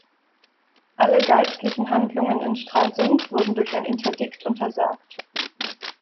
Alle geistlichen Handlungen in Stralsund wurden durch ein Interdikt untersagt.